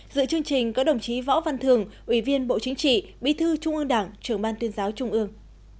dự chương trình có đồng chí võ văn thường ủy viên bộ chính trị bí thư trung ương đảng trưởng ban tuyên giáo trung ương